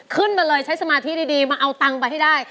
ขึ้นมาเลยใช้สมาธิดีมาเอาตังค์ไปให้ได้